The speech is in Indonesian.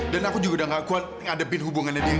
dan aku juga udah gak kuat ngadepin hubungannya dia